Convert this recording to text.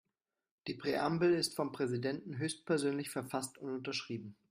Die Präambel ist vom Präsidenten höchstpersönlich verfasst und unterschrieben.